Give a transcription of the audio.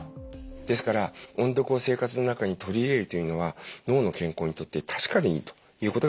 ですから音読を生活の中に取り入れるというのは脳の健康にとって確かにいいということが分かっています。